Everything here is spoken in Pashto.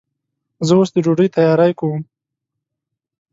زه اوس د ډوډۍ تیاری کوم.